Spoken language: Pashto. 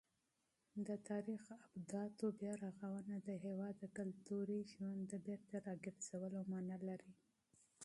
د تاریخي ابداتو بیارغونه د هېواد د کلتوري ژوند د بېرته راګرځولو مانا لري.